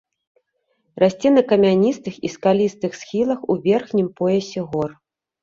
Расце на камяністых і скалістых схілах у верхнім поясе гор.